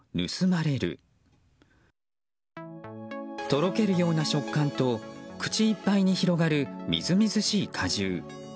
とろけるような食感と口いっぱいに広がるみずみずしい果汁。